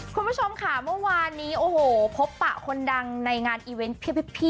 คุณผู้ชมค่ะเมื่อวานนี้โอ้โหพบปะคนดังในงานอีเวนต์เพียบ